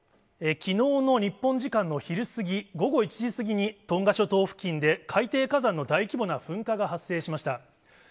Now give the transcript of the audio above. きのうの日本時間の昼過ぎ、午後１時過ぎにトンガ諸島付近で海底火山の大規模な噴火が発生しました。